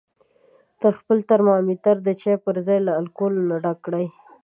خپل ترمامتر د چای په ځای له الکولو څخه ډک کړئ.